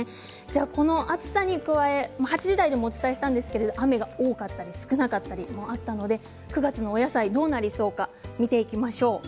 この暑さに加え８時台でもお伝えしたんですが雨が多かったり少なかったりもあったので９月のお野菜どうなりそうか見ていきましょう。